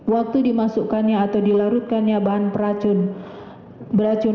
tiga waktu dimasukkannya atau dilarutkannya bahan beracun natrium